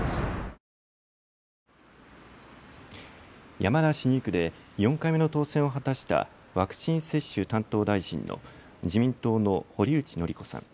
山梨２区で４回目の当選を果たしたワクチン接種担当大臣の自民党の堀内詔子さん。